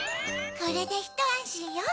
これでひとあんしんよ。